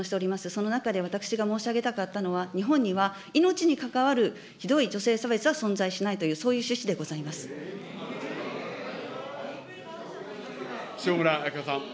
その中で私が申し上げたかったのは、日本には命に関わるひどい女性差別は存在しないという、そう塩村あやかさん。